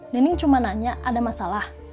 nining cuma nanya ada masalah